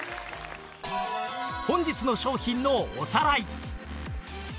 本日の商品のおさらい